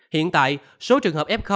hiện tại số trường hợp f